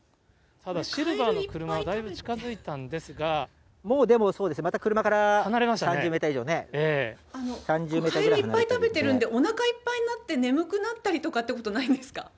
ただ、シルバーの車、だいぶ近づいたんですが、もう、でもそうですね、車から離れましたね、３０メーター以カエルいっぱい食べてるんで、おなかいっぱいになって、眠くなったりって、ないんですか？